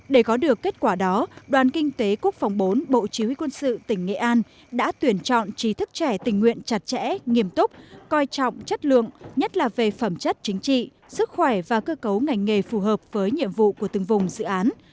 để có được kết quả đó đoàn kinh tế quốc phòng bốn bộ chí huy quân sự tỉnh nghệ an đã tuyển chọn trí thức trẻ tình nguyện chặt chẽ nghiêm túc coi trọng chất lượng nhất là về phẩm chất chính trị sức khỏe và cơ cấu ngành nghề phù hợp với nhiệm vụ của từng vùng dự án